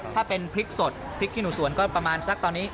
ถ้าเป็นพริกสดพริกขี้หนูสวนก็ประมาณสักตอนนี้